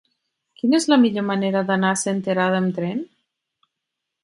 Quina és la millor manera d'anar a Senterada amb tren?